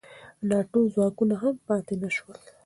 ناټو ځواکونه هم پاتې نه شول.